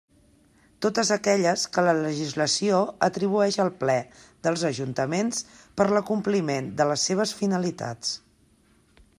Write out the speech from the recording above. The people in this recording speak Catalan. Totes aquelles que la legislació atribueix al Ple dels ajuntaments per a l'acompliment de les seves finalitats.